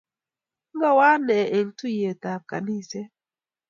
Ngawo ane eng tuiyet ab kaniset